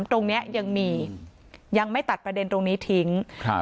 ตรงเนี้ยยังมียังไม่ตัดประเด็นตรงนี้ทิ้งครับ